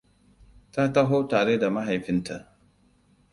Ta taho tare da mahaifinta.